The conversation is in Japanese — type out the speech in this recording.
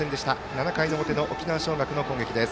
７回の表、沖縄尚学の攻撃。